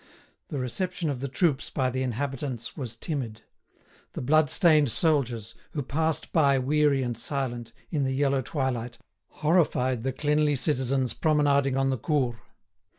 The reception of the troops by the inhabitants was timid; the bloodstained soldiers, who passed by weary and silent, in the yellow twilight, horrified the cleanly citizens promenading on the Cours.